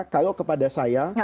kalau kepada saya